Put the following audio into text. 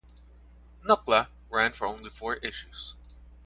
"Nukla" ran for only four issues.